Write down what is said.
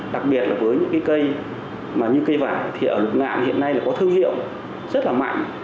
đặc biệt là với những cái cây mà như cây vải thì ở lục ngạn hiện nay là có thương hiệu rất là mạnh